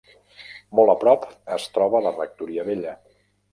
Molt a prop es troba la rectoria vella.